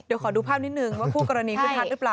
เดี๋ยวขอดูภาพนิดหนึ่งกูขับตรงไหนขืดฮัด